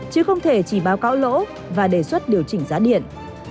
chứ không thể chỉ báo cáo lỗ và đề xuất điều chỉnh giá điện